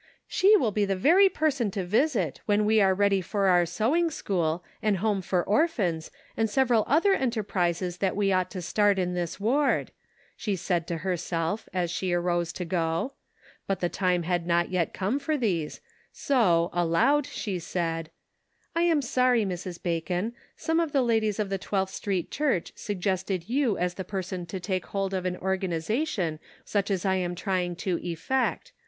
" She will " be the very person to visit, when we are ready for our sewing school, and home for orphans, and several other enterprises that we ought to start in this ward," she said to herself, as she arose to go ; but the time had not yet come for these, so, aloud, she said :" I am sorry, Mrs. Bacon ; some of the ladies of the Twelfth Street Church suggested you as the person to take hold of an organiza tion such as I am trying to effect.